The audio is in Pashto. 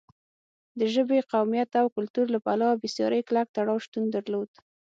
د ژبې، قومیت او کلتور له پلوه بېساری کلک تړاو شتون درلود.